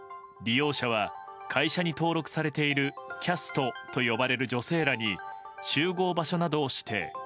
利用者は会社に登録されているキャストと呼ばれる女性らに集合場所などを指定。